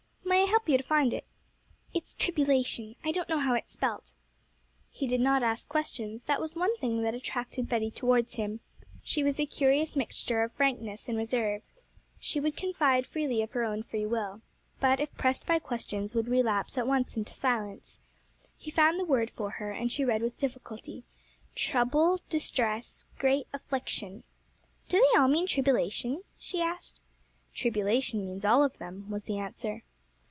'May I help you to find it?' 'It's tribulation. I don't know how it's spelt.' He did not ask questions; that was one thing that attracted Betty towards him. She was a curious mixture of frankness and reserve. She would confide freely of her own free will, but if pressed by questions would relapse at once into silence. He found the word for her, and she read with difficulty, 'Trouble, distress, great affliction.' 'Do they all mean tribulation?' she asked. 'Tribulation means all of them,' was the answer.